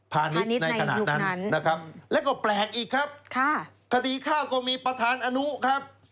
ณในขณะนั้นนะครับแล้วก็แปลกอีกครับค่ะคดีฆ่าก็มีประธานอนุครับ